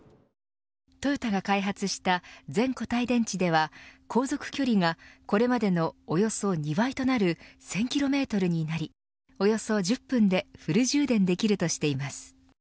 トヨタが開発した全固体電池では航続距離がこれまでのおよそ２倍となる１０００キロメートルになりおよそ１０分でフル充電できるとしています。